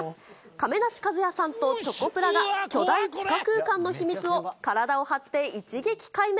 亀梨和也さんとチョコプラが巨大地下空間の秘密を、体を張って一撃解明。